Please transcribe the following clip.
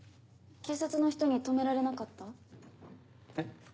警察の人に止められなかった？え？